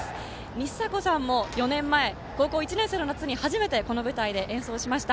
にしさこさんも４年前、高校１年生の夏に初めて、この舞台で演奏しました。